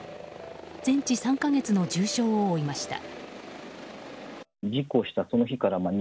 全治３か月の重傷を負いました。